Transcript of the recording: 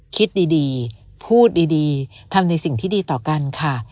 คิดดีพูดดีทำในสิ่งที่ดีต่อกันค่ะ